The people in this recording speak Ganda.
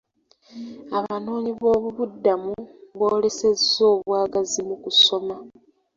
Abanoonyi b'obubudamu boolesezza obwagazi mu kusoma.